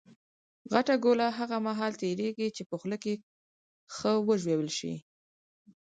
غټه ګوله هغه مهال تېرېږي، چي په خوله کښي ښه وژول سي.